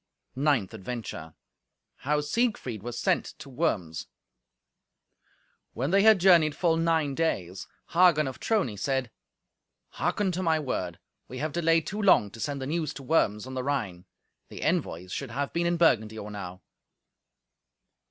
Ninth Adventure How Siegfried Was Sent to Worms When they had journeyed full nine days, Hagen of Trony said, "Hearken to my word. We have delayed too long to send the news to Worms on the Rhine. The envoys should have been in Burgundy or now."